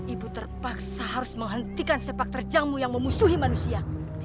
ibu terpaksa harus menghentikan sepak terjangmu yang memusuhi manusia